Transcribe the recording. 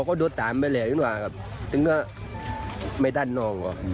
ก็โดดตามไปแหละอยู่หน่อยครับจึงก็ไม่ตันน้องก็